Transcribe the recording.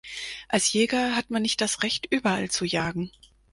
Als Jäger hat man nicht das Recht, überall zu jagen.